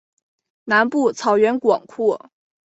南部草原广阔。